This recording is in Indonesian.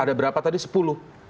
ada berapa tadi sepuluh